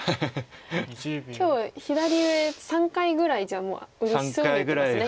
今日左上３回ぐらいじゃあもううれしそうに打ってますね。